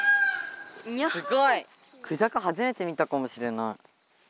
クジャク初めて見たかもしれない。